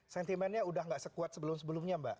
sentimennya sudah tidak sekuat sebelum sebelumnya mbak